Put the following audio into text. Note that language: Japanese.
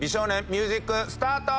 ミュージックスタート！